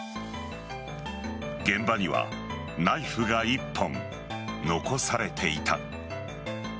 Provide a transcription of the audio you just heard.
現場にはナイフが１本残されていた。